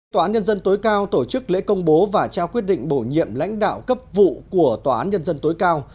tòa án nhân dân tối cao tổ chức lễ công bố và trao quyết định bổ nhiệm lãnh đạo cấp vụ của tòa án nhân dân tối cao